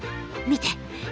見て！